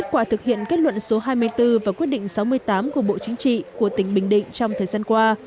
trong phần số hai mươi bốn và quyết định sáu mươi tám của bộ chính trị của tỉnh bình định trong thời gian qua